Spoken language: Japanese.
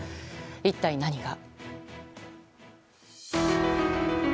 一体何が。